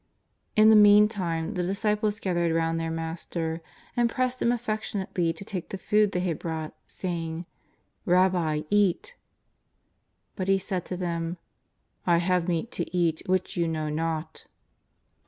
In the meantime the disciples gathered round their Master and pressed Him affectionately to take the food they had brought, saying: " Eabbi, eat." But He said to them :" I have meat to eat which you know not."